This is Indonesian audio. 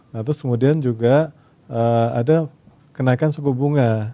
nah terus kemudian juga ada kenaikan suku bunga